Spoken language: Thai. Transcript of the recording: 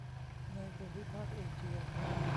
ในภูมิภาคเอเชีย